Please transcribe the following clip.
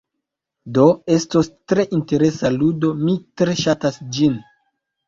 Do, estos tre interesa ludo, mi tre ŝatas ĝin.